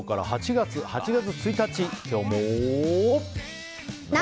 ８月１日今日も。